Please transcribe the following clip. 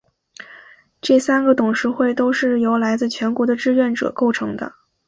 这三个董事会都是由来自全国的志愿者构成的。